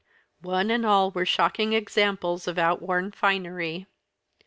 One and all were shocking examples of outworn finery.